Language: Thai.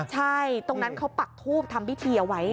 ใช่ตรงนั้นเขาปักทูบทำพิธีเอาไว้